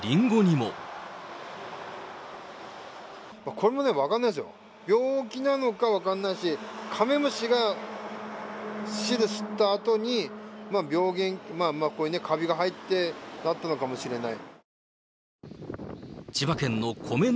これもね、分かんないですよ、病気なのか分かんないし、カメムシが汁吸ったあとに病原菌、こういうね、かびが入ってなったのかもしれない。